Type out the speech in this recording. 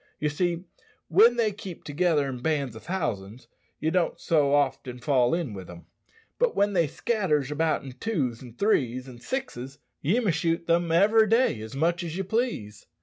Ye see, when they keep together in bands o' thousands ye don't so often fall in wi' them. But when they scatters about in twos, an' threes, an' sixes ye may shoot them every day as much as ye please."